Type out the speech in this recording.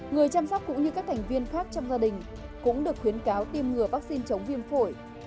người chăm sóc cũng như các thành viên khác trong gia đình cũng được khuyến cáo tiêm ngừa vaccine chống viêm phổi